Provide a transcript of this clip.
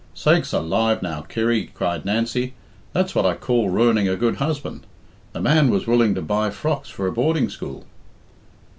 "Sakes alive now, Kirry," cried Nancy, "that's what I call ruining a good husband the man was willing to buy frocks for a boarding school."